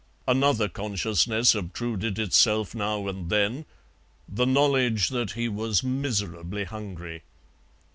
Another consciousness obtruded itself now and then the knowledge that he was miserably hungry.